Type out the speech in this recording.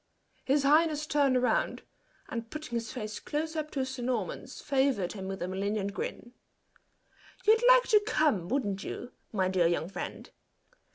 His highness turned round, and putting his face close up to Sir Norman's favored him with a malignant grin. "You'd like to come, wouldn't you, my dear young friend?"